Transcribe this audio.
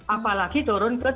apalagi turun ke tiga ratus